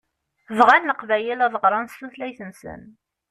Bɣan Leqbayel ad ɣṛen s tutlayt-nsen.